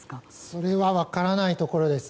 それは分からないところです。